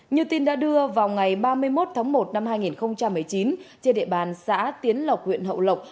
như tin đã đưa vào ngày ba mươi một tháng một năm hai nghìn một mươi chín trên địa bàn xã tiến lộc huyện hậu lộc